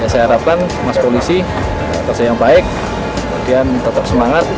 saya harapkan mas polisi kerja yang baik kemudian tetap semangat